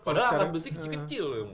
kalau udah angkat besi kecil kecil loh